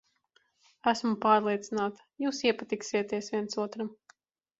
Esmu pārliecināta, jūs iepatiksieties viens otram.